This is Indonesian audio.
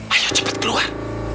ayo cepet keluar